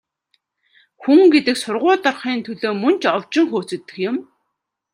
Хүн гэдэг сургуульд орохын төлөө мөн ч овжин хөөцөлдөх юм.